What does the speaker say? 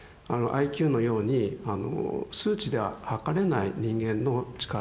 ＩＱのように数値では測れない人間の力。